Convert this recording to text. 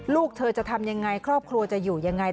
ลูกเธอจะทำยังไงครอบครัวจะอยู่ยังไง